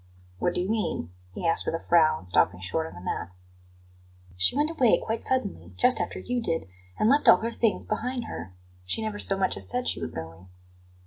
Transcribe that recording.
"What do you mean?" he asked with a frown, stopping short on the mat. "She went away quite suddenly, just after you did, and left all her things behind her. She never so much as said she was going."